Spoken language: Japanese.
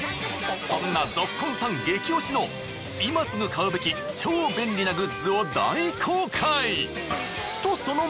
そんなぞっこんさん激推しの今すぐ買うべき超便利なグッズを大公開！